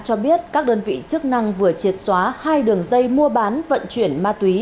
cho biết các đơn vị chức năng vừa triệt xóa hai đường dây mua bán vận chuyển ma túy